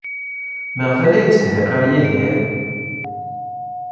Maɣef ay la yetteḥdiqir Yidir?